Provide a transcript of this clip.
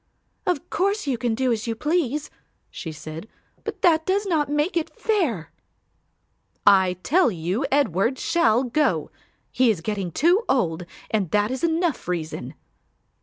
"Of course you can do as you please," she said, "but that does not make it fair." "I tell you Edward shall go; he is getting too old and that is enough reason."